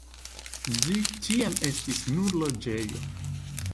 Ĝi ĉiam estis nur loĝejo.